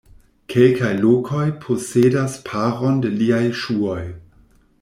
Kelkaj lokoj posedas paron de liaj ŝuoj.